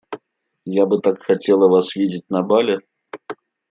Я бы так хотела вас видеть на бале.